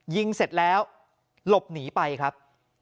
ยิงเสร็จแล้วหลบหนีไปครับ